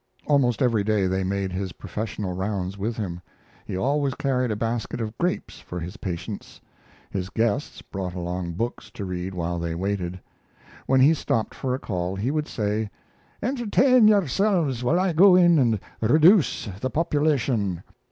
Almost every day they made his professional rounds with him. He always carried a basket of grapes for his patients. His guests brought along books to read while they waited. When he stopped for a call he would say: "Entertain yourselves while I go in and reduce the population."